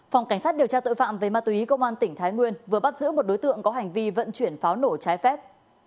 phòng cảnh sát điều tra tội phạm về ma túy công an tỉnh thái nguyên vừa bắt giữ một đối tượng có hành vi vận chuyển pháo nổ trái phép